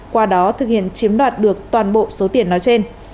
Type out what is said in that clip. qua đó thực hiện chiếm đoạt được toàn bộ số tiền nói trên